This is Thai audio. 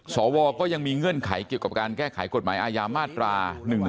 สวก็ยังมีเงื่อนไขเกี่ยวกับการแก้ไขกฎหมายอาญามาตรา๑๑๒